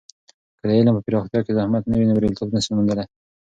که د علم په پراختیا کې زحمت نه وي، نو بریالیتوب نسو موندلی.